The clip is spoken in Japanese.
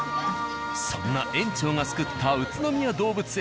そんな園長が救った宇都宮動物園。